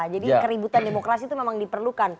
jadi keributan demokrasi itu memang diperlukan